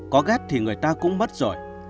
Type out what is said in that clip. có ghét thì người ta cũng mất rồi